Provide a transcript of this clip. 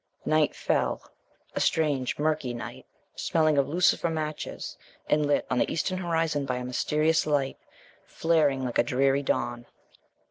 Night fell: a strange, murky night, smelling of lucifer matches, and lit on the eastern horizon by a mysterious light, flaring like a dreary dawn.